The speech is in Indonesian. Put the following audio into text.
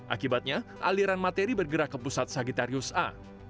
akibatnya aliran materi bergerak ke pusat sagittarius a